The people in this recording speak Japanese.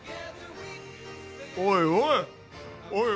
おいおい！